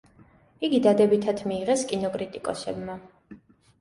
იგი დადებითად მიიღეს კინოკრიტიკოსებმა.